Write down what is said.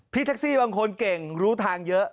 พี่แท็กซี่บางคนเก่งรู้ทางเยอะ